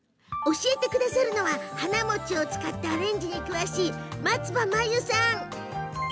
教えてくださるのは花餅を使ったアレンジに詳しい松葉麻由さん。